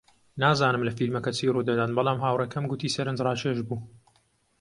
نازانم لە فیلمەکە چی ڕوودەدات، بەڵام هاوڕێکەم گوتی سەرنجڕاکێش بوو.